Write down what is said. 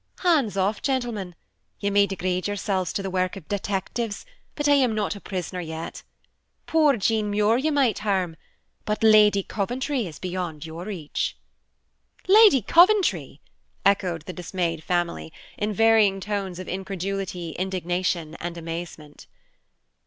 "Hands off, gentlemen! You may degrade yourselves to the work of detectives, but I am not a prisoner yet. Poor Jean Muir you might harm, but Lady Coventry is beyond your reach." "Lady Coventry!" echoed the dismayed family, in varying tones of incredulity, indignation, and amazement.